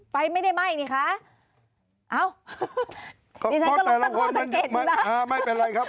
ไฟไม่ได้ไหม้นี่คะอ้าวไม่เป็นไรครับ